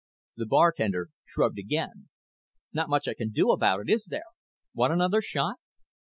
The bartender shrugged again. "Not much I can do about it, is there? Want another shot?"